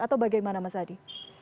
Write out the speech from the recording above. atau bagaimana mas hadi